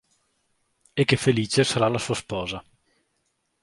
E che Felice sarà la sua sposa.